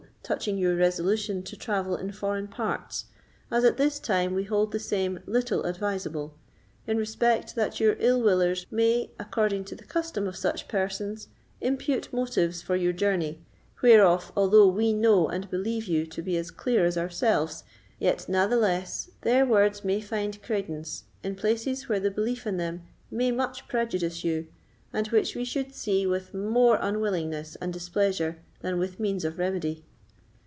Touching your resolution to travel in foreign parts, as at this time we hold the same little advisable, in respect that your ill willers may, according to the custom of such persons, impute motives for your journey, whereof, although we know and believe you to be as clear as ourselves, yet natheless their words may find credence in places where the belief in them may much prejudice you, and which we should see with more unwillingness and displeasure than with means of remedy.